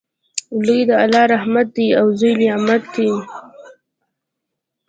لور د الله رحمت دی او زوی نعمت دی